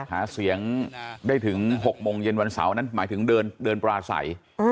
หาเสียงได้ถึง๖โมงเย็นวันเสาร์นั้นหมายถึงเดินปราศัย